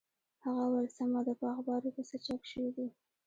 هغه وویل سمه ده په اخبارو کې څه چاپ شوي دي.